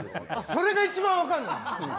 それが一番分かんない。